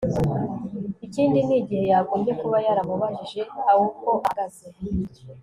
ikindi, nigihe yagombye kuba yaramubajije uko ahagaze